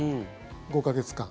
５か月間。